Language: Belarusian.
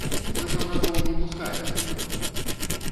Мы жабракоў не пускаем на двор!